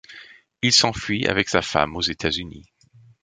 Il s'enfuit, avec sa femme, aux États-Unis.